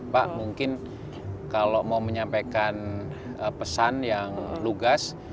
pak mungkin kalau mau menyampaikan pesan yang lugas